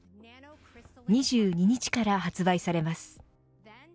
２２日から発売されます。